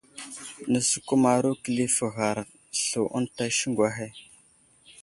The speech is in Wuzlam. Nəsəkumərayo kəlif ghar slu ənta siŋgu ahe.